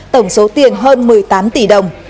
tổng số tiền hơn một mươi tám tỷ đồng